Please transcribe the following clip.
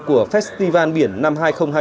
của festival biển năm hai nghìn hai mươi ba